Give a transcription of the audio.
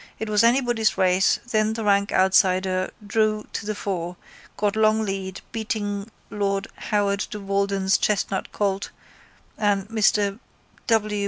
It was anybody's race then the rank outsider drew to the fore, got long lead, beating Lord Howard de Walden's chestnut colt and Mr W.